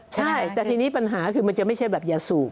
ใช่แต่ทีนี้ปัญหาคือมันจะไม่ใช่แบบยาสูบ